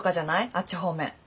あっち方面。